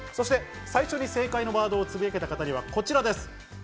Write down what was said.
最初に正解のワードをつぶやけた方にはこちらです。